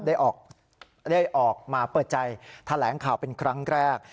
ได้ออกมาเปิดใจแถลงข่าวเป็นครั้งแรก